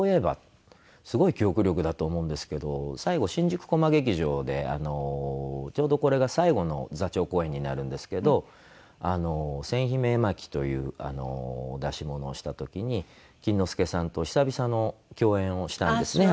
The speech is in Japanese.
すごい記憶力だと思うんですけど最後新宿コマ劇場でちょうどこれが最後の座長公演になるんですけど『千姫絵巻』という出し物をした時に錦之介さんと久々の共演をしたんですね